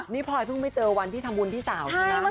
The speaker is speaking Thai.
นี่พลอยเพิ่งไม่เจอวันที่ทำบุญพี่สาวใช่ไหม